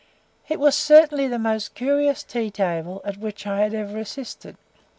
It was certainly the most curious tea table at which I had ever assisted.